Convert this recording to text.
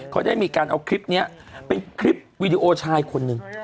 เขาได้มีการเอาคลิปนี้เป็นคลิปวีดีโอชายคนหนึ่ง